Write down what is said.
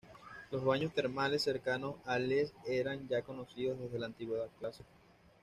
Los baños termales cercanos a Les eran ya conocidos desde la Antigüedad clásica.